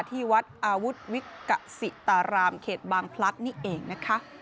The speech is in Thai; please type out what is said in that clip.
ที่วัดอาวุธวิกษิตารามเขตบางพลัดนี่เองนะคะ